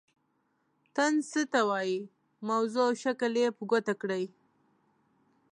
طنز څه ته وايي موضوع او شکل یې په ګوته کړئ.